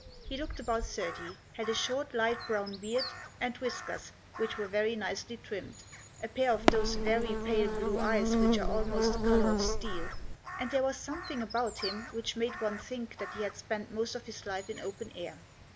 He looked about thirty ; had a short light brown beard and whiskers, which were very nicely trimmed ; a pair of those very pale blue eyes which are almost the colour of steel ; and there was something about him which made one think that he had spent most of his life in open air.